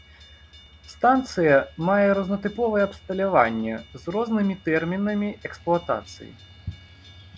Станцыя мае рознатыповае абсталяванне з рознымі тэрмінамі эксплуатацыі.